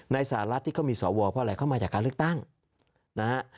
สหรัฐที่เขามีสวเพราะอะไรเข้ามาจากการเลือกตั้งนะฮะ